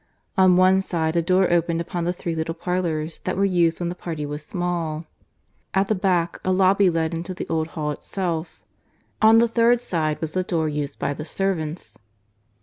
On one side a door opened upon the three little parlours that were used when the party was small; at the back a lobby led into the old hall itself; on the third side was the door used by the servants.